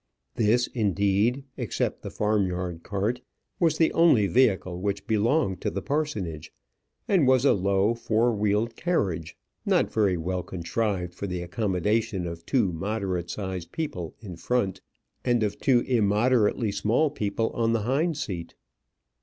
This, indeed, except the farm yard cart, was the only vehicle which belonged to the parsonage, and was a low four wheeled carriage, not very well contrived for the accommodation of two moderate sized people in front, and of two immoderately small people on the hind seat.